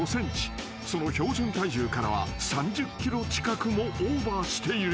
［その標準体重からは３０ｋｇ近くもオーバーしている］